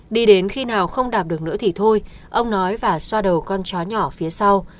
đi đến khi nào không đạt được nữa thì thôi ông nói và xoa đầu con chó nhỏ phía sau